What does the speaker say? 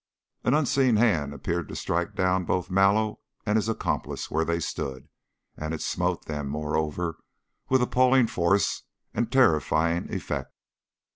An unseen hand appeared to strike down both Mallow and his accomplice where they stood, and it smote them, moreover, with appalling force and terrifying effect.